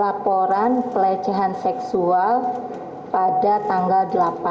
laporan pelecehan seksual pada tanggal delapan